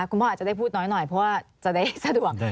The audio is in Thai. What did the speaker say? คุณพ่ออาจจะได้พูดน้อยหน่อยเพราะว่าจะได้สะดวก